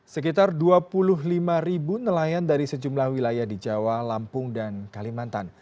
sekitar dua puluh lima ribu nelayan dari sejumlah wilayah di jawa lampung dan kalimantan